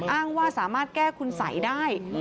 อ้างว่าสามารถแก้คุณสัยได้